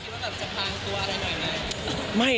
ว่าแบบจะพลางตัวอะไรหน่อยไหม